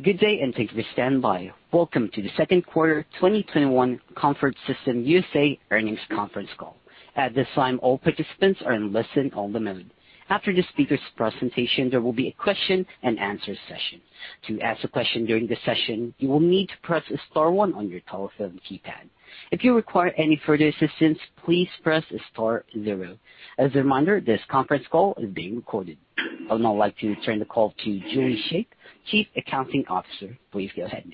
Good day, and thank you for standing by. Welcome to the second quarter 2021 Comfort Systems USA earnings conference call. At this time, all participants are in listen-only mode. After the speakers' presentation, there will be a question and answer session. To ask a question during the session, you will need to press star one on your telephone keypad. If you require any further assistance, please press star zero. As a reminder, this conference call is being recorded. I would now like to turn the call to Julie Shaeff, Chief Accounting Officer. Please go ahead.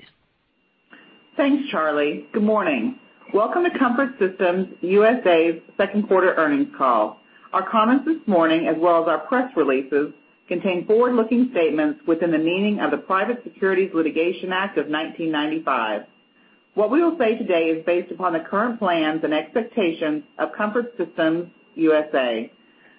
Thanks, Charlie. Good morning. Welcome to Comfort Systems USA's second quarter earnings call. Our comments this morning, as well as our press releases, contain forward-looking statements within the meaning of the Private Securities Litigation Reform Act of 1995. What we will say today is based upon the current plans and expectations of Comfort Systems USA.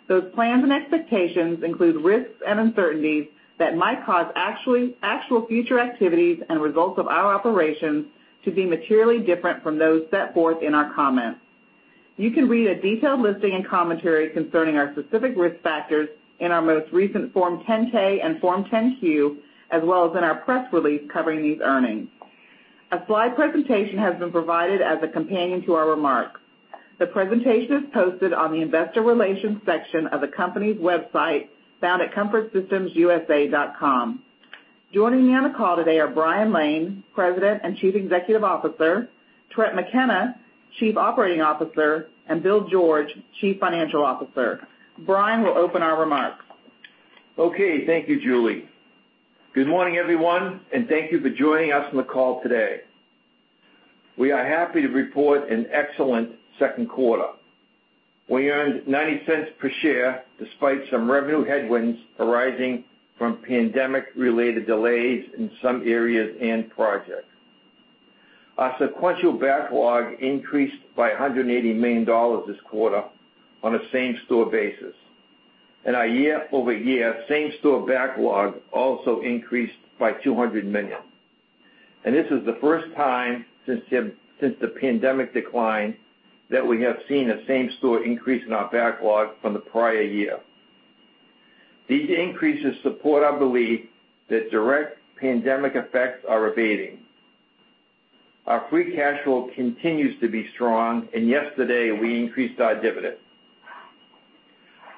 Those plans and expectations include risks and uncertainties that might cause actual future activities and results of our operations to be materially different from those set forth in our comments. You can read a detailed listing and commentary concerning our specific risk factors in our most recent Form 10-K and Form 10-Q, as well as in our press release covering these earnings. A slide presentation has been provided as a companion to our remarks. The presentation is posted on the investor relations section of the company's website, found at comfortsystemsusa.com. Joining me on the call today are Brian Lane, President and Chief Executive Officer, Trent McKenna, Chief Operating Officer, and William George, Chief Financial Officer. Brian will open our remarks. Okay. Thank you, Julie. Good morning, everyone, and thank you for joining us on the call today. We are happy to report an excellent second quarter. We earned $0.90 per share despite some revenue headwinds arising from pandemic-related delays in some areas and projects. Our sequential backlog increased by $180 million this quarter on a same-store basis. Our year-over-year same-store backlog also increased by $200 million. This is the first time since the pandemic decline that we have seen a same-store increase in our backlog from the prior year. These increases support our belief that direct pandemic effects are abating. Our free cash flow continues to be strong, and yesterday we increased our dividend.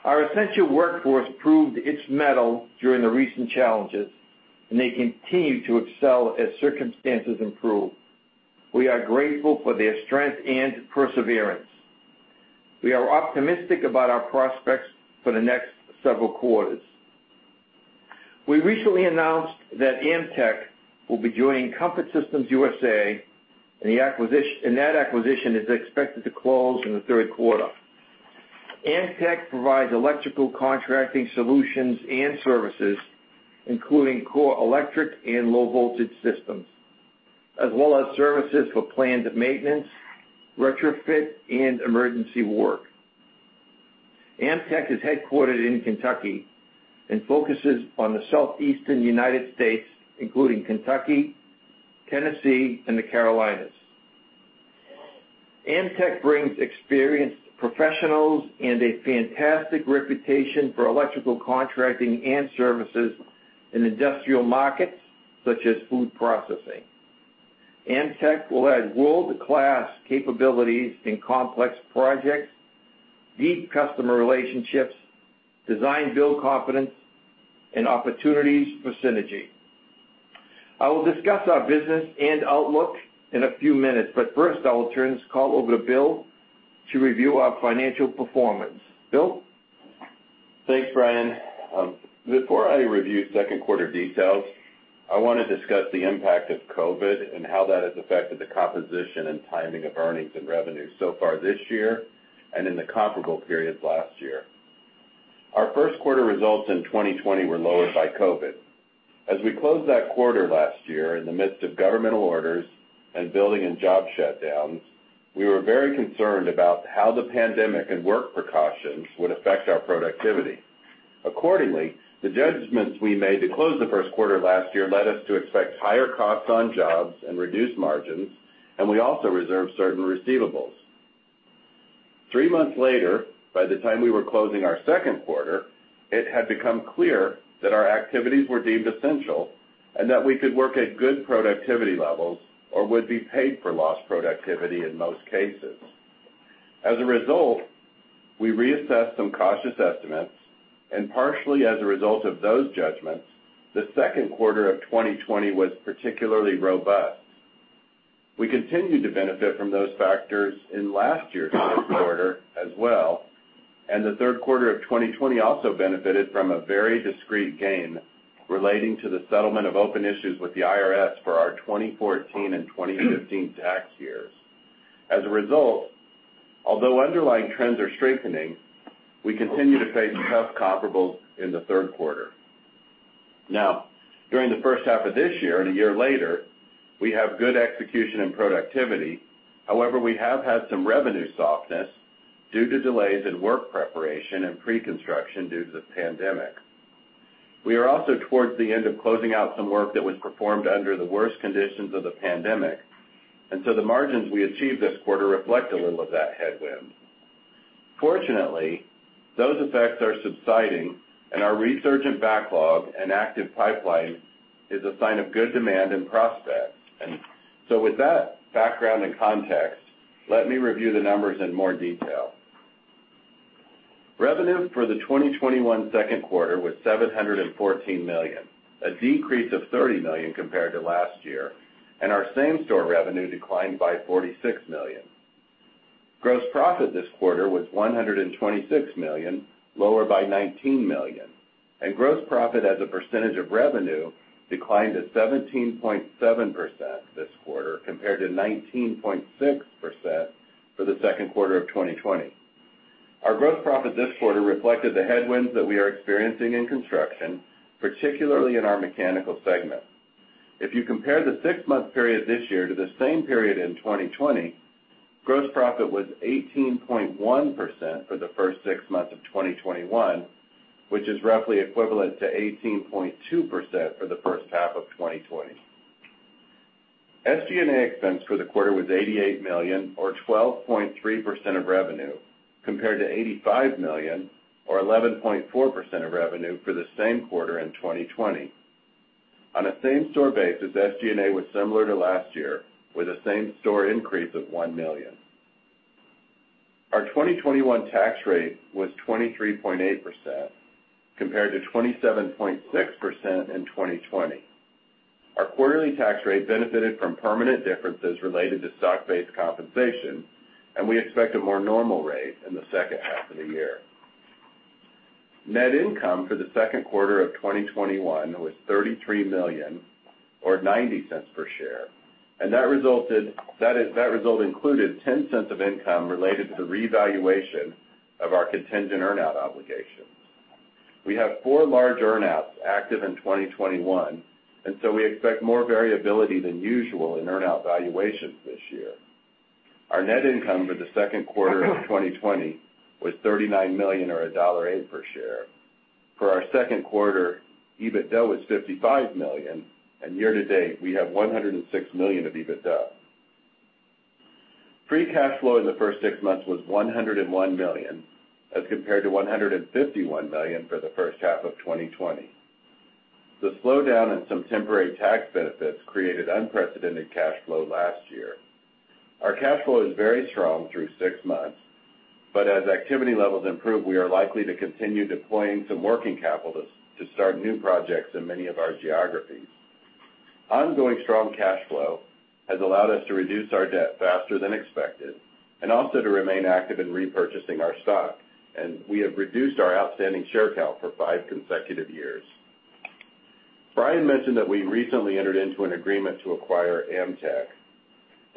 Our essential workforce proved its mettle during the recent challenges, and they continue to excel as circumstances improve. We are grateful for their strength and perseverance. We are optimistic about our prospects for the next several quarters. We recently announced that Amteck will be joining Comfort Systems USA. That acquisition is expected to close in the 3rd quarter. Amteck provides electrical contracting solutions and services, including core electric and low-voltage systems, as well as services for planned maintenance, retrofit, and emergency work. Amteck is headquartered in Kentucky. Focuses on the Southeastern U.S., including Kentucky, Tennessee, and the Carolinas. Amteck brings experienced professionals and a fantastic reputation for electrical contracting and services in industrial markets such as food processing. Amteck will add world-class capabilities in complex projects, deep customer relationships, design-build confidence. Opportunities for synergy. I will discuss our business and outlook in a few minutes. First, I will turn this call over to Bill to review our financial performance. Bill? Thanks, Brian. Before I review second quarter details, I want to discuss the impact of COVID and how that has affected the composition and timing of earnings and revenue so far this year and in the comparable periods last year. Our first quarter results in 2020 were lowered by COVID. As we closed that quarter last year, in the midst of governmental orders and building and job shutdowns, we were very concerned about how the pandemic and work precautions would affect our productivity. Accordingly, the judgments we made to close the first quarter last year led us to expect higher costs on jobs and reduced margins, and we also reserved certain receivables. Three months later, by the time we were closing our second quarter, it had become clear that our activities were deemed essential and that we could work at good productivity levels or would be paid for lost productivity in most cases. As a result, we reassessed some cautious estimates, and partially as a result of those judgments, the 2nd quarter of 2020 was particularly robust. We continued to benefit from those factors in last year's first quarter as well, and the third quarter of 2020 also benefited from a very discrete gain relating to the settlement of open issues with the IRS for our 2014 and 2015 tax years. As a result, although underlying trends are strengthening, we continue to face tough comparables in the third quarter. Now, during the first half of this year and a year later, we have good execution and productivity. However, we have had some revenue softness due to delays in work preparation and pre-construction due to the pandemic. We are also towards the end of closing out some work that was performed under the worst conditions of the pandemic, and so the margins we achieved this quarter reflect a little of that headwind. Fortunately, those effects are subsiding, and our resurgent backlog and active pipeline is a sign of good demand and prospects. With that background and context, let me review the numbers in more detail. Revenue for the 2021 second quarter was $714 million, a decrease of $30 million compared to last year, and our same-store revenue declined by $46 million. Gross profit this quarter was $126 million, lower by $19 million. Gross profit as a percentage of revenue declined to 17.7% this quarter, compared to 19.6% for the second quarter of 2020. Our gross profit this quarter reflected the headwinds that we are experiencing in construction, particularly in our mechanical segment. If you compare the six-month period this year to the same period in 2020, gross profit was 18.1% for the first six months of 2021, which is roughly equivalent to 18.2% for the first half of 2020. SG&A expense for the quarter was $88 million, or 12.3% of revenue, compared to $85 million, or 11.4% of revenue for the same quarter in 2020. On a same-store basis, SG&A was similar to last year, with a same-store increase of $1 million. Our 2021 tax rate was 23.8%, compared to 27.6% in 2020. Our quarterly tax rate benefited from permanent differences related to stock-based compensation, and we expect a more normal rate in the second half of the year. Net income for the second quarter of 2021 was $33 million, or $0.90 per share. That result included $0.10 of income related to the revaluation of our contingent earn-out obligations. We have four large earn-outs active in 2021. We expect more variability than usual in earn-out valuations this year. Our net income for the second quarter of 2020 was $39 million, or $1.08 per share. For our second quarter, EBITDA was $55 million, and year to date, we have $106 million of EBITDA. Free cash flow in the first six months was $101 million, as compared to $151 million for the first half of 2020. The slowdown in some temporary tax benefits created unprecedented cash flow last year. Our cash flow is very strong through six months, as activity levels improve, we are likely to continue deploying some working capital to start new projects in many of our geographies. Ongoing strong cash flow has allowed us to reduce our debt faster than expected and also to remain active in repurchasing our stock. We have reduced our outstanding share count for five consecutive years. Brian mentioned that we recently entered into an agreement to acquire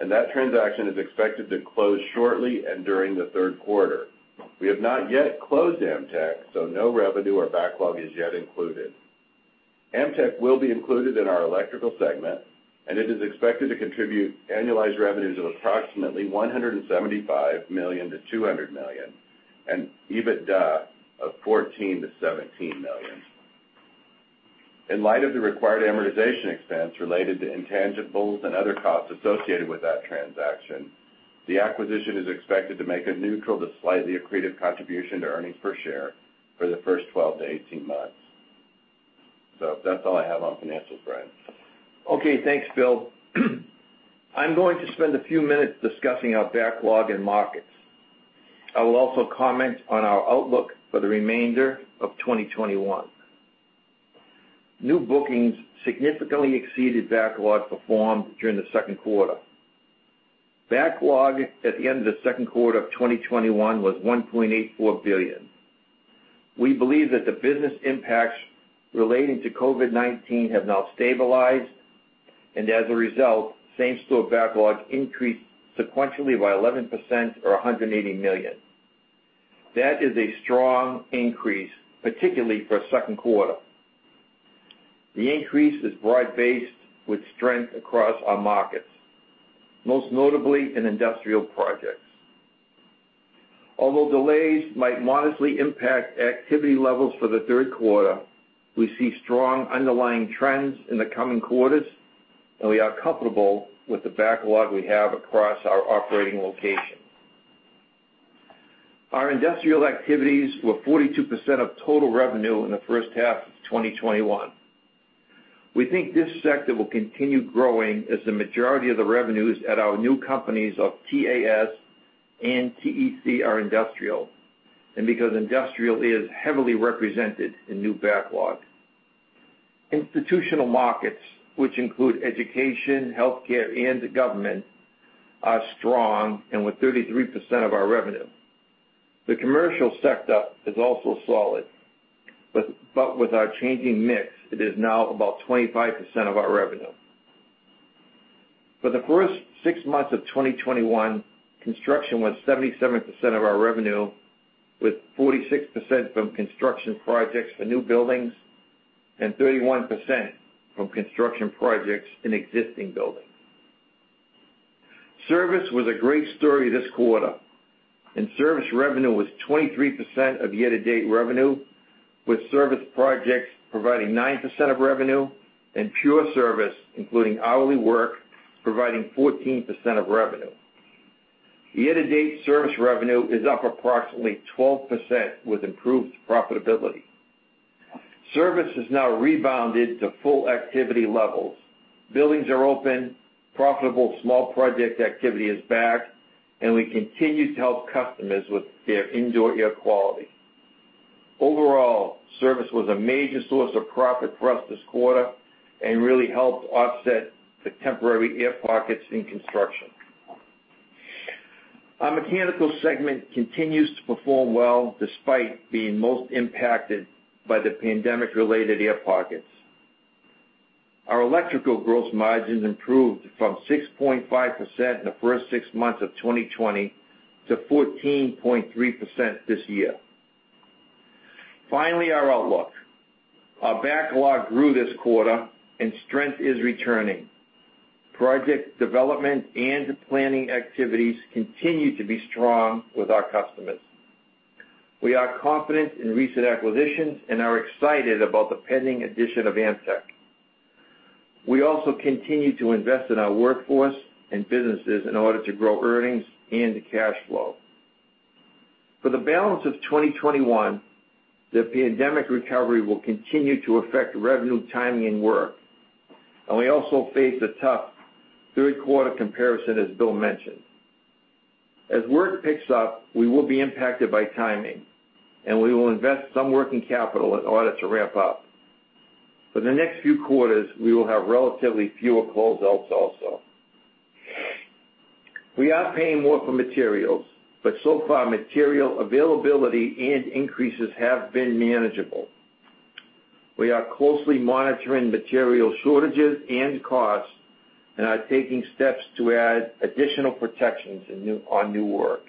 Amteck, that transaction is expected to close shortly and during the third quarter. We have not yet closed Amteck, no revenue or backlog is yet included. Amteck will be included in our electrical segment, it is expected to contribute annualized revenues of approximately $175 million-$200 million and EBITDA of $14 million-$17 million. In light of the required amortization expense related to intangibles and other costs associated with that transaction, the acquisition is expected to make a neutral to slightly accretive contribution to earnings per share for the first 12-18 months. That's all I have on financials, Brian. Okay. Thanks, Bill. I'm going to spend a few minutes discussing our backlog and markets. I will also comment on our outlook for the remainder of 2021. New bookings significantly exceeded backlog performed during the second quarter. Backlog at the end of the second quarter of 2021 was $1.84 billion. We believe that the business impacts relating to COVID-19 have now stabilized, and as a result, same-store backlog increased sequentially by 11% or $180 million. That is a strong increase, particularly for a second quarter. The increase is broad-based with strength across our markets, most notably in industrial projects. Although delays might modestly impact activity levels for the third quarter, we see strong underlying trends in the coming quarters, and we are comfortable with the backlog we have across our operating locations. Our industrial activities were 42% of total revenue in the first half of 2021. We think this sector will continue growing as the majority of the revenues at our new companies of TAS and TEC are industrial, and because industrial is heavily represented in new backlog. Institutional markets, which include education, healthcare, and government, are strong and with 33% of our revenue. The commercial sector is also solid, but with our changing mix, it is now about 25% of our revenue. For the first six months of 2021, construction was 77% of our revenue, with 46% from construction projects for new buildings and 31% from construction projects in existing buildings. Service was a great story this quarter, and service revenue was 23% of year-to-date revenue. With service projects providing 9% of revenue and pure service, including hourly work, providing 14% of revenue. Year-to-date service revenue is up approximately 12% with improved profitability. Service has now rebounded to full activity levels. Buildings are open, profitable small project activity is back, and we continue to help customers with their indoor air quality. Overall, service was a major source of profit for us this quarter and really helped offset the temporary air pockets in construction. Our mechanical segment continues to perform well despite being most impacted by the pandemic-related air pockets. Our electrical gross margins improved from 6.5% in the first 6 months of 2020 to 14.3% this year. Finally, our outlook. Our backlog grew this quarter and strength is returning. Project development and planning activities continue to be strong with our customers. We are confident in recent acquisitions and are excited about the pending addition of Amteck. We also continue to invest in our workforce and businesses in order to grow earnings and cash flow. For the balance of 2021, the pandemic recovery will continue to affect revenue timing and work, and we also face a tough third-quarter comparison, as Bill mentioned. As work picks up, we will be impacted by timing, and we will invest some working capital in order to ramp up. For the next few quarters, we will have relatively fewer closeouts also. We are paying more for materials, but so far material availability and increases have been manageable. We are closely monitoring material shortages and costs and are taking steps to add additional protections on new work.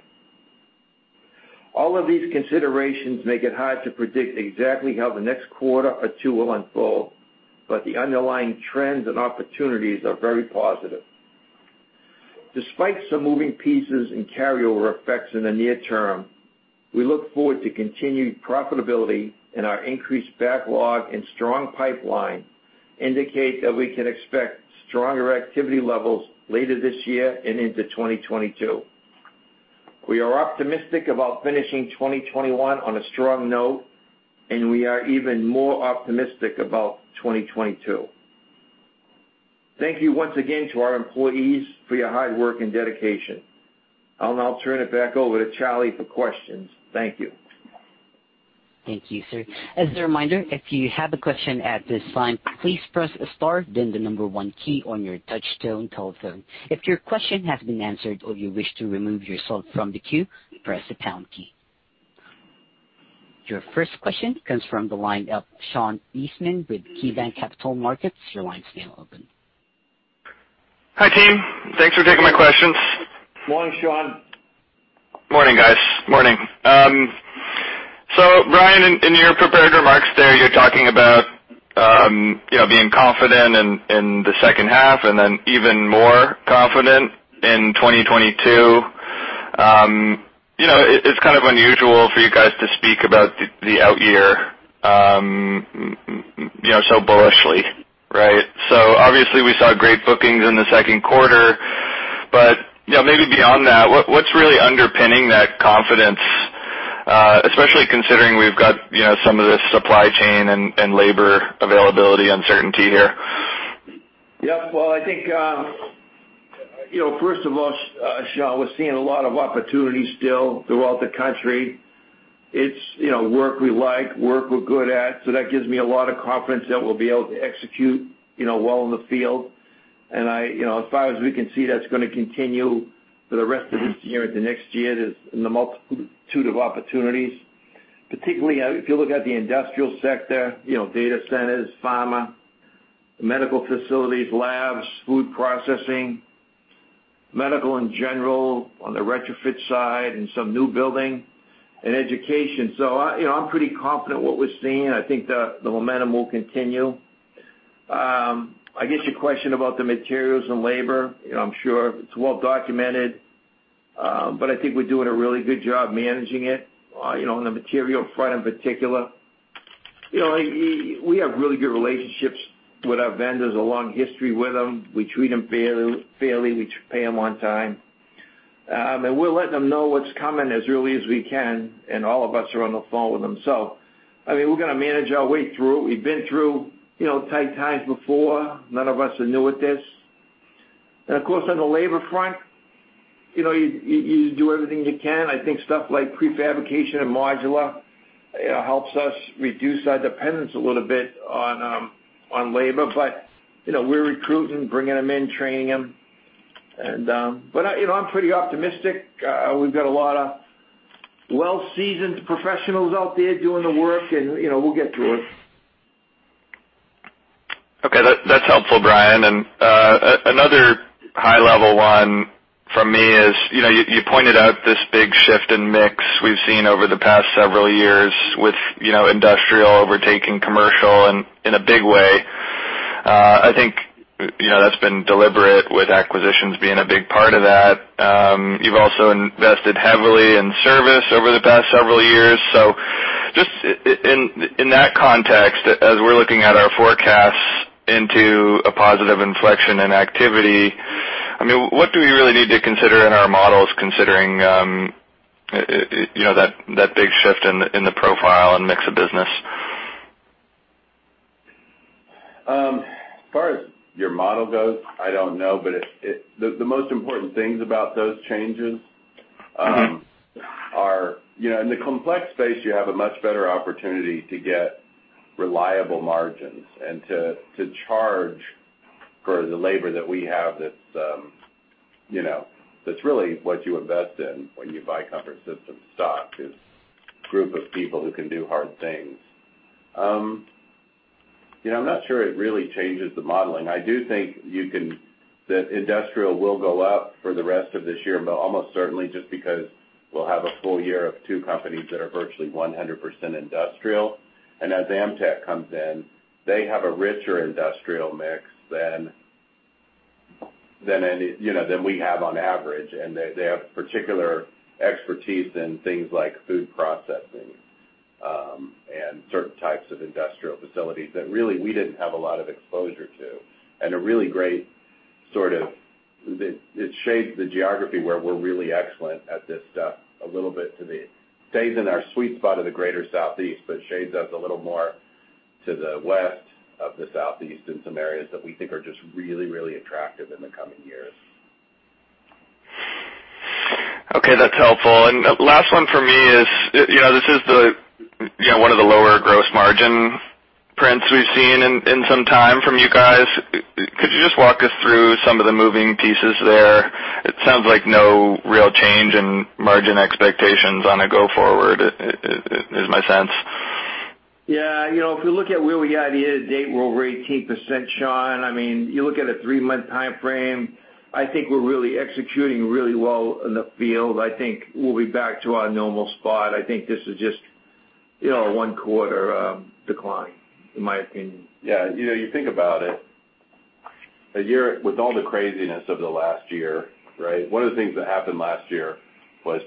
All of these considerations make it hard to predict exactly how the next quarter or two will unfold, but the underlying trends and opportunities are very positive. Despite some moving pieces and carryover effects in the near term, we look forward to continued profitability. Our increased backlog and strong pipeline indicate that we can expect stronger activity levels later this year and into 2022. We are optimistic about finishing 2021 on a strong note. We are even more optimistic about 2022. Thank you once again to our employees for your hard work and dedication. I'll now turn it back over to Charlie for questions. Thank you. Thank you, sir. As a reminder, if you have a question at this time, please press star then the number one key on your touchtone telephone. If your question has been answered or you wish to remove yourself from the queue, press the pound key. Your first question comes from the line of Sean Eastman with KeyBanc Capital Markets. Your line is now open. Hi, team. Thanks for taking my questions. Morning, Sean. Morning, guys. Morning. Brian, in your prepared remarks there, you're talking about being confident in the 2nd half and then even more confident in 2022. It's kind of unusual for you guys to speak about the out year so bullishly, right? Obviously we saw great bookings in the 2nd quarter, but maybe beyond that, what's really underpinning that confidence, especially considering we've got some of this supply chain and labor availability uncertainty here? Yep. Well, I think, first of all, Sean, we're seeing a lot of opportunities still throughout the country. It's work we like, work we're good at, so that gives me a lot of confidence that we'll be able to execute well in the field. As far as we can see, that's going to continue for the rest of this year into next year. There's a multitude of opportunities, particularly if you look at the industrial sector, data centers, pharma, medical facilities, labs, food processing, medical in general on the retrofit side, and some new building and education. I'm pretty confident what we're seeing. I think the momentum will continue. I guess your question about the materials and labor, I'm sure it's well documented, but I think we're doing a really good job managing it on the material front in particular. We have really good relationships with our vendors, a long history with them. We treat them fairly. We pay them on time. We're letting them know what's coming as early as we can, and all of us are on the phone with them. We're going to manage our way through. We've been through tight times before. None of us are new at this. Of course, on the labor front, you do everything you can. I think stuff like prefabrication and modular helps us reduce our dependence a little bit on labor. We're recruiting, bringing them in, training them. I'm pretty optimistic. We've got a lot of well-seasoned professionals out there doing the work, and we'll get through it. Okay. That's helpful, Brian. Another high-level one from me is, you pointed out this big shift in mix we've seen over the past several years with industrial overtaking commercial in a big way. I think that's been deliberate with acquisitions being a big part of that. You've also invested heavily in service over the past several years. Just in that context, as we're looking at our forecasts into a positive inflection in activity, what do we really need to consider in our models considering that big shift in the profile and mix of business? As far as your model goes, I don't know. The most important things about those changes are, in the complex space, you have a much better opportunity to get reliable margins and to charge for the labor that we have that's really what you invest in when you buy Comfort Systems USA's stock, is a group of people who can do hard things. I'm not sure it really changes the modeling. I do think that industrial will go up for the rest of this year, but almost certainly just because we'll have a full year of two companies that are virtually 100% industrial. As Amteck comes in, they have a richer industrial mix than we have on average, and they have particular expertise in things like food processing and certain types of industrial facilities that really we didn't have a lot of exposure to. It shades the geography where we're really excellent at this stuff a little bit to the states in our sweet spot of the greater Southeast, but shades us a little more to the west of the Southeast in some areas that we think are just really attractive in the coming years. Okay, that's helpful. Last one from me is, this is one of the lower gross margin prints we've seen in some time from you guys. Could you just walk us through some of the moving pieces there? It sounds like no real change in margin expectations on a go forward, is my sense. Yeah. If we look at where we had it year-to-date, we're over 18%, Sean. You look at a three-month timeframe, I think we're really executing really well in the field. I think we'll be back to our normal spot. I think this is just a one-quarter decline, in my opinion. Yeah. You think about it, with all the craziness of the last year, right? One of the things that happened last year was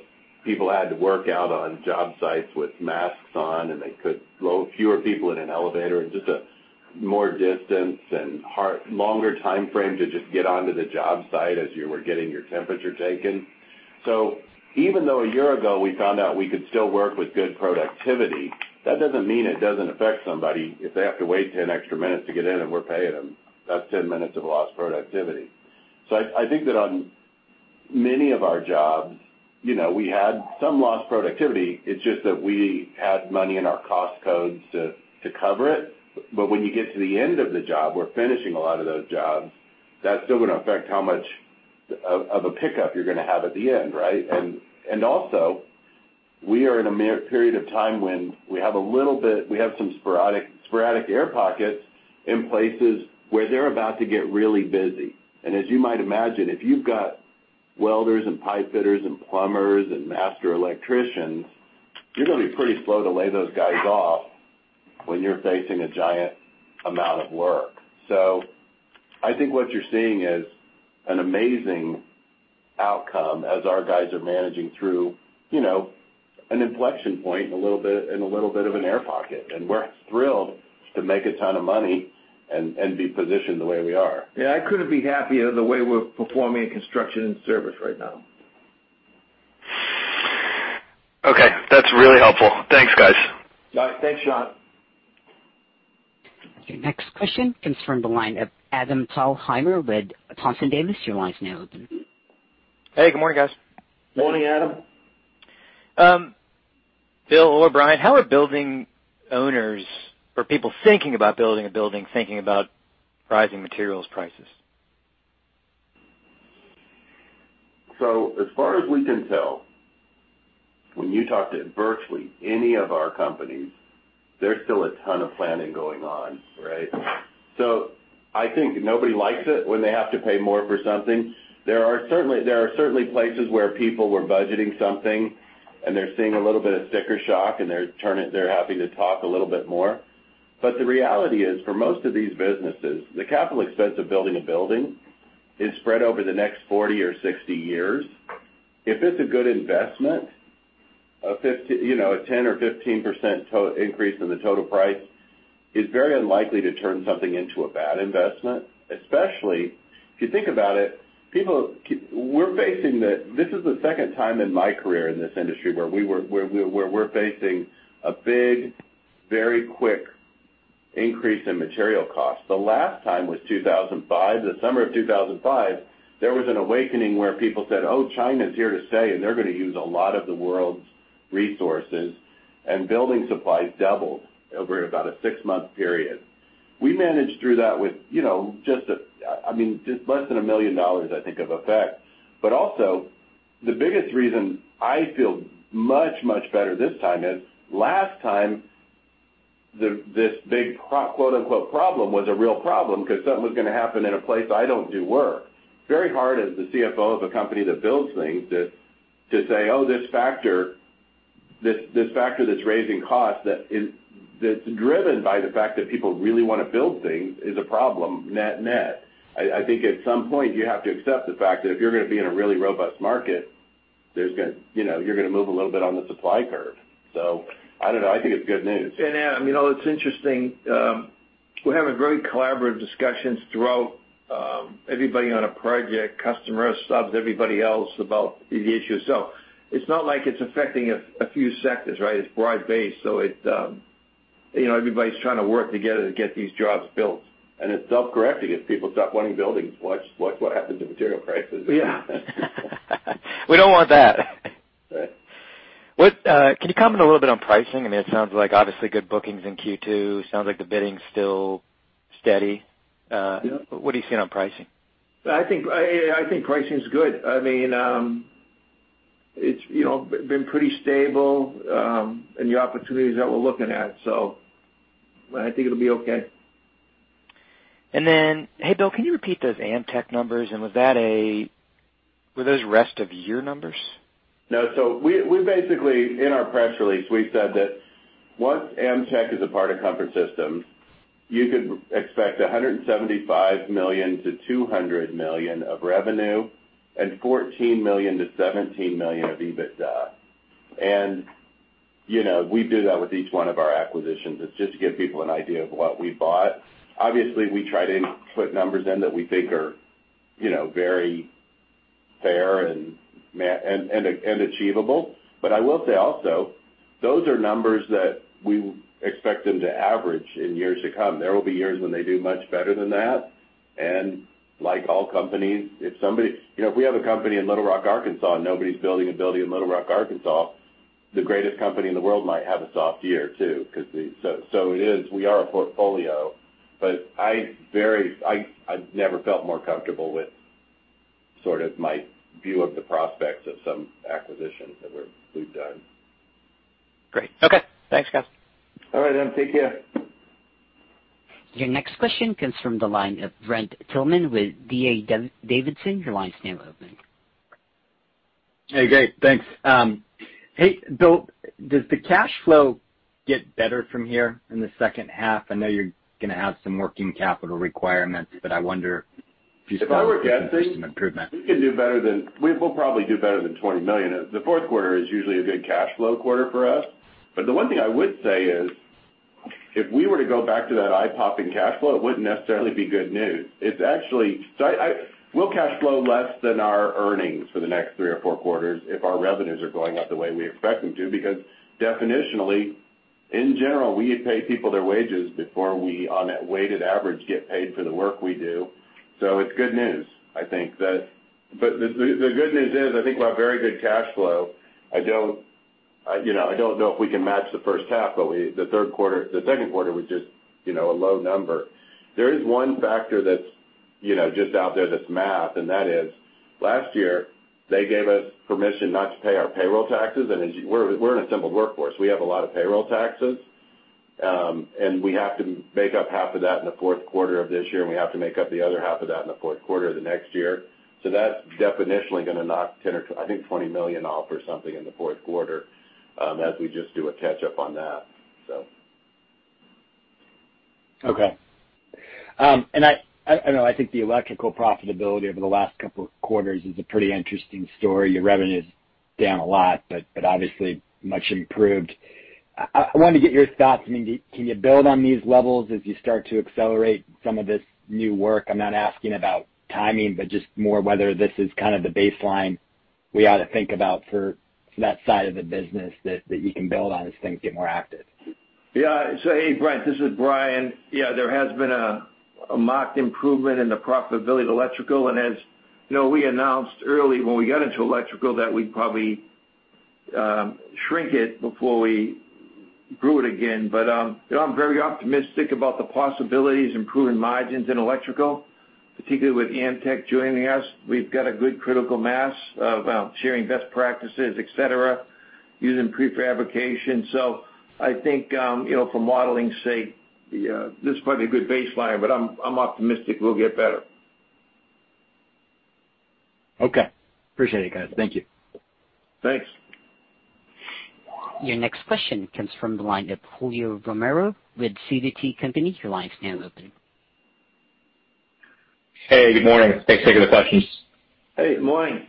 people had to work out on job sites with masks on, and they could load fewer people in an elevator, and just more distance and longer timeframe to just get onto the job site as you were getting your temperature taken. Even though a year ago we found out we could still work with good productivity, that doesn't mean it doesn't affect somebody if they have to wait 10 extra minutes to get in and we're paying them. That's 10 minutes of lost productivity. I think that on many of our jobs, we had some lost productivity. It's just that we had money in our cost codes to cover it. When you get to the end of the job, we're finishing a lot of those jobs, that's still going to affect how much of a pickup you're going to have at the end, right? Also, we are in a period of time when we have some sporadic air pockets in places where they're about to get really busy. As you might imagine, if you've got welders and pipe fitters and plumbers and master electricians, you're going to be pretty slow to lay those guys off when you're facing a giant amount of work. I think what you're seeing is an amazing outcome as our guys are managing through an inflection point and a little bit of an air pocket. We're thrilled to make a ton of money and be positioned the way we are. I couldn't be happier the way we're performing in construction and service right now. Okay, that's really helpful. Thanks, guys. All right. Thanks, Sean. Okay, next question comes from the line of Adam Thalhimer with Thompson Davis & Co. Your line is now open. Hey, good morning, guys. Morning, Adam. Bill or Brian, how are building owners or people thinking about building a building, thinking about rising materials prices? As far as we can tell, when you talk to virtually any of our companies, there's still a ton of planning going on, right? I think nobody likes it when they have to pay more for something. There are certainly places where people were budgeting something and they're seeing a little bit of sticker shock, and they're happy to talk a little bit more. The reality is, for most of these businesses, the capital expense of building a building is spread over the next 40 or 60 years. If it's a good investment, a 10% or 15% increase in the total price is very unlikely to turn something into a bad investment. Especially if you think about it, this is the second time in my career in this industry where we're facing a big, very quick increase in material costs. The last time was 2005. The summer of 2005, there was an awakening where people said, Oh, China's here to stay, and they're going to use a lot of the world's resources. Building supplies doubled over about a 6-month period. We managed through that with just less than $1 million, I think, of effect. Also, the biggest reason I feel much better this time is, last time, this big, quote unquote, problem was a real problem because something was going to happen in a place I don't do work. Very hard as the CFO of a company that builds things to say, Oh, this factor that's raising costs, that's driven by the fact that people really want to build things, is a problem, net. I think at some point you have to accept the fact that if you're going to be in a really robust market, you're going to move a little bit on the supply curve. I don't know. I think it's good news. Yeah, it's interesting. We're having very collaborative discussions throughout everybody on a project, customer, subs, everybody else, about these issues. It's not like it's affecting a few sectors, right? It's broad based, so everybody's trying to work together to get these jobs built. It's self-correcting. If people stop wanting buildings, watch what happens to material prices. Yeah. We don't want that. Right. Can you comment a little bit on pricing? It sounds like obviously good bookings in Q2. Sounds like the bidding's still steady. Yeah. What are you seeing on pricing? I think pricing's good. It's been pretty stable in the opportunities that we're looking at. I think it'll be okay. Hey, Bill, can you repeat those Amteck numbers, and were those rest of year numbers? No. Basically, in our press release, we said that once Amteck is a part of Comfort Systems USA, you could expect $175 million to $200 million of revenue and $14 million to $17 million of EBITDA. We do that with each one of our acquisitions. It's just to give people an idea of what we bought. Obviously, we try to put numbers in that we think are very fair and achievable. I will say also, those are numbers that we expect them to average in years to come. There will be years when they do much better than that, and like all companies, if we have a company in Little Rock, Arkansas, and nobody's building a building in Little Rock, Arkansas, the greatest company in the world might have a soft year, too. It is. We are a portfolio. I've never felt more comfortable with sort of my view of the prospects of some acquisitions that we've done. Great. Okay. Thanks, guys. All right then. Take care. Your next question comes from the line of Brent Thielman with D.A. Davidson. Your line's now open. Hey, great, thanks. Hey, Bill, does the cash flow get better from here in the second half? I know you're going to have some working capital requirements, but I wonder if you saw- If I were guessing. some improvement We will probably do better than $20 million. The fourth quarter is usually a good cash flow quarter for us. The one thing I would say is, if we were to go back to that eye-popping cash flow, it wouldn't necessarily be good news. We'll cash flow less than our earnings for the next three or four quarters if our revenues are going up the way we expect them to, because definitionally, in general, we pay people their wages before we, on a weighted average, get paid for the work we do. It's good news, I think. The good news is, I think we'll have very good cash flow. I don't know if we can match the first half, but the second quarter was just a low number. There is one factor that's just out there that's math. That is last year, they gave us permission not to pay our payroll taxes. We're an assembled workforce. We have a lot of payroll taxes. We have to make up half of that in the fourth quarter of this year. We have to make up the other half of that in the fourth quarter of the next year. That's definitionally going to knock $10 or I think $20 million off or something in the fourth quarter as we just do a catch-up on that. Okay. I think the electrical profitability over the last couple of quarters is a pretty interesting story. Your revenue's down a lot, obviously much improved. I wanted to get your thoughts. Can you build on these levels as you start to accelerate some of this new work? I'm not asking about timing, just more whether this is kind of the baseline we ought to think about for that side of the business that you can build on as things get more active. Yeah. Hey, Brent, this is Brian. Yeah, there has been a marked improvement in the profitability of electrical, and as you know, we announced early when we got into electrical that we'd probably shrink it before we grew it again. I'm very optimistic about the possibilities improving margins in electrical, particularly with Amteck joining us. We've got a good critical mass of sharing best practices, et cetera, using prefabrication. I think, for modeling's sake, this is probably a good baseline, but I'm optimistic we'll get better. Okay. Appreciate it, guys. Thank you. Thanks. Your next question comes from the line of Julio Romero with Sidoti & Company. Your line is now open. Hey, good morning. Thanks for taking the questions. Hey, good morning.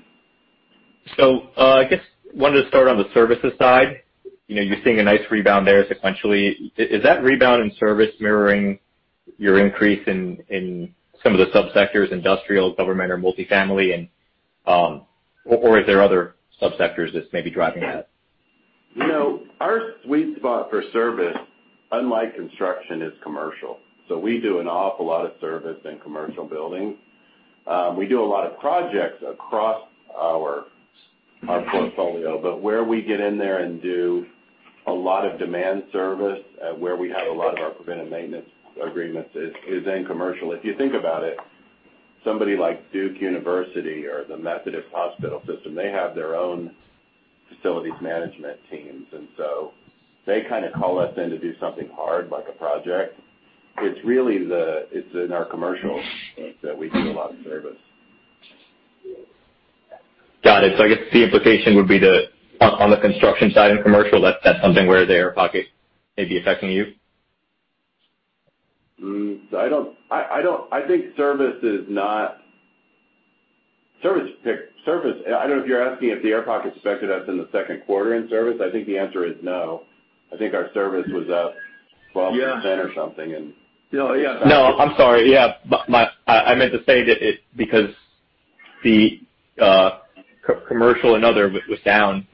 I guess wanted to start on the services side. You're seeing a nice rebound there sequentially. Is that rebound in service mirroring your increase in some of the subsectors, industrial, government, or multifamily, or is there other subsectors that's maybe driving that? Our sweet spot for service, unlike construction, is commercial. We do an awful lot of service in commercial buildings. We do a lot of projects across our portfolio, but where we get in there and do a lot of demand service, where we have a lot of our preventive maintenance agreements is in commercial. If you think about it, somebody like Duke University or Houston Methodist, they have their own facilities management teams, and so they kind of call us in to do something hard, like a project. It's in our commercial that we do a lot of service. Got it. I guess the implication would be on the construction side in commercial, that's something where the air pocket may be affecting you? I don't know if you're asking if the air pocket affected us in the second quarter in service. I think the answer is no. I think our service was up 12%- Yeah or something, and- No, yeah. No, I'm sorry. Yeah. I meant to say that because the commercial and other was down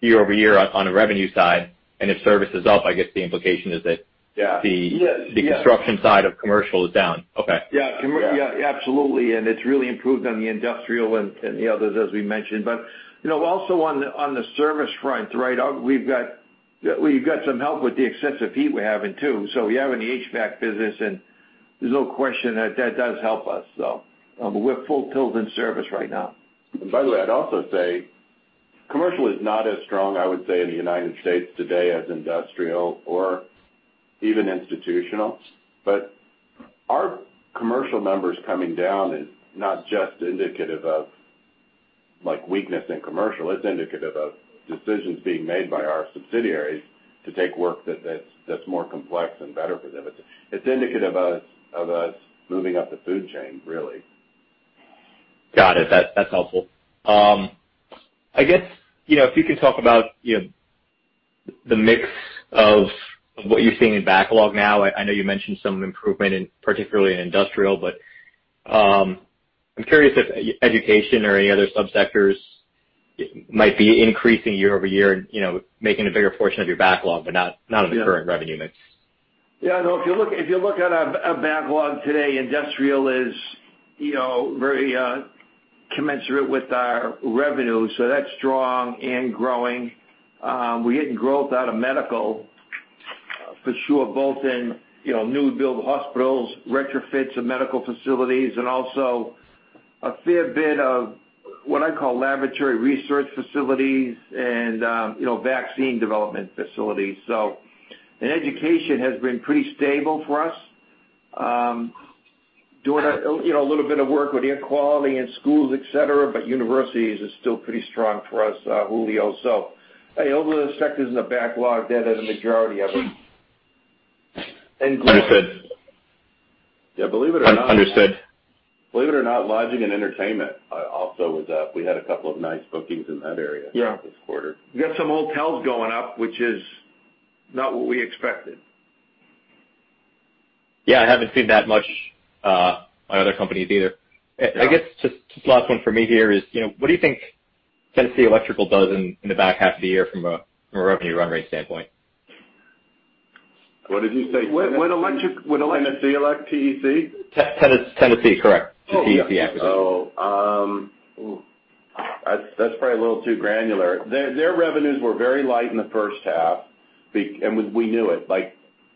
year-over-year on the revenue side, and if service is up, I guess the implication is that. Yeah the construction side of commercial is down. Okay. Yeah. Absolutely. It's really improved on the industrial and the others, as we mentioned. Also on the service front, we've got some help with the excessive heat we're having, too. We have it in the HVAC business, and there's no question that does help us. We're full tilt in service right now. By the way, I'd also say commercial is not as strong, I would say, in the United States today as industrial or even institutional. Our commercial numbers coming down is not just indicative of weakness in commercial. It's indicative of decisions being made by our subsidiaries to take work that's more complex and better for them. It's indicative of us moving up the food chain, really. Got it. That's helpful. I guess, if you can talk about the mix of what you're seeing in backlog now. I know you mentioned some improvement particularly in industrial, but, I'm curious if education or any other sub-sectors might be increasing year-over-year and making a bigger portion of your backlog, but not of the current revenue mix. Yeah, no. If you look at our backlog today, industrial is very commensurate with our revenue, so that's strong and growing. We're getting growth out of medical for sure, both in new build hospitals, retrofits of medical facilities, and also a fair bit of what I call laboratory research facilities and vaccine development facilities. Education has been pretty stable for us. Doing a little bit of work with air quality in schools, et cetera, but universities is still pretty strong for us, Julio. Those sectors in the backlog, that is a majority of them. Growing. Yeah, believe it or not. Understood Believe it or not, lodging and entertainment also was up. We had a couple of nice bookings in that area. Yeah this quarter. We got some hotels going up, which is not what we expected. Yeah, I haven't seen that much on other companies either. I guess just last one from me here is, what do you think TEC Industrial does in the back half of the year from a revenue run rate standpoint? What did you say? What Electric? TEC? Tennessee, correct. Oh, yeah. TEC, actually. That's probably a little too granular. Their revenues were very light in the first half, and we knew it.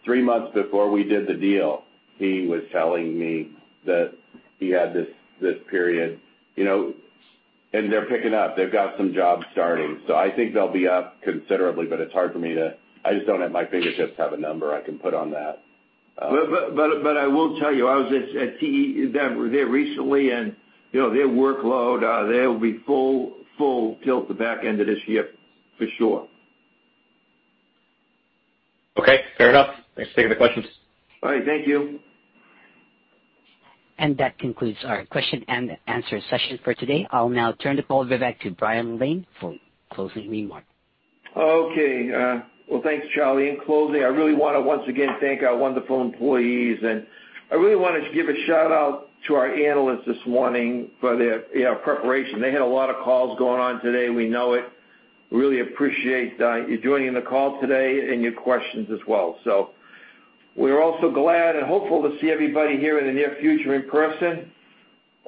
Three months before we did the deal, he was telling me that he had this period. They're picking up. They've got some jobs starting. I think they'll be up considerably, but it's hard for me to I just don't, at my fingertips, have a number I can put on that. I will tell you, I was at TEC Industrial recently and their workload, they'll be full tilt the back end of this year, for sure. Okay. Fair enough. Thanks for taking the questions. All right. Thank you. That concludes our question and answer session for today. I'll now turn the call back to Brian Lane for closing remarks. Okay. Well, thanks, Charlie. In closing, I really want to once again thank our wonderful employees, and I really wanted to give a shout-out to our analysts this morning for their preparation. They had a lot of calls going on today, we know it. Really appreciate you joining the call today and your questions as well. We're also glad and hopeful to see everybody here in the near future in person.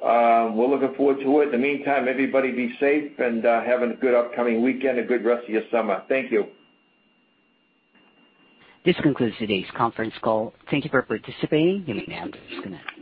We're looking forward to it. In the meantime, everybody be safe and have a good upcoming weekend, a good rest of your summer. Thank you. This concludes today's conference call. Thank you for participating. You may end the connection.